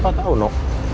papa tau no